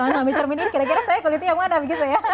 langsung ambil cermin ini kira kira kulitnya yang mana begitu ya